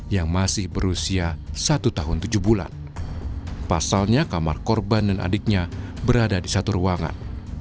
yang masih berusia satu tahun tujuh bulan pasalnya kamar korban dan adiknya berada di satu ruangan